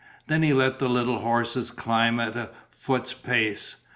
Then he let the little horses climb at a foot's pace.